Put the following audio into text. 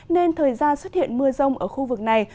nên thời gian xuất hiện mưa rông ở khu vực này